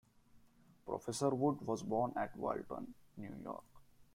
Professor Wood was born at Walton, New York.